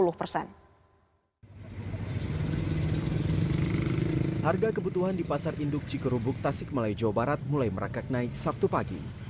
harga kebutuhan di pasar induk cikurubuk tasikmalaya jawa barat mulai merakak naik sabtu pagi